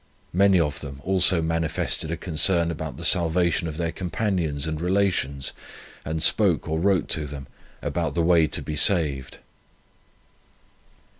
Many of them also manifested a concern about the salvation of their companions and relations, and spoke or wrote to them, about the way to be saved."